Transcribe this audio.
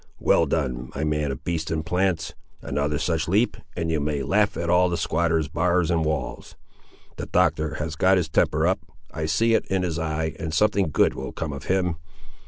Well done, my man of beasts and plants! Another such leap, and you may laugh at all the squatter's bars and walls. The Doctor has got his temper up! I see it in his eye, and something good will come of him!